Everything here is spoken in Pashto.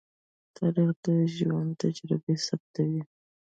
تاریخ د ژوند تجربې ثبتوي.